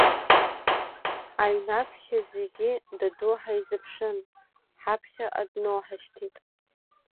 Аҩны аԥхьа, зегьы даду ҳаизыԥшын, ҳаԥхьаҟа дноуҳашьҭит.